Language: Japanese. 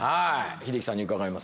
英樹さんに伺います。